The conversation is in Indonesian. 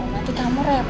nanti tamu rewel